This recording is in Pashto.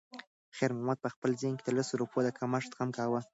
خیر محمد په خپل ذهن کې د لسو روپیو د کمښت غم کاوه.